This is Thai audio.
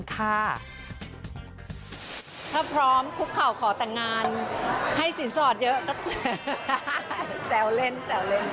ถ้าพร้อมคุกเข่าขอแต่งงานให้สินสอดเยอะก็แซวเล่นแซวเล่น